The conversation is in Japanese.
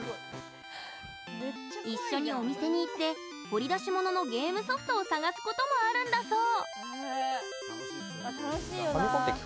一緒にお店に行って掘り出し物のゲームソフトを探すこともあるんだそう。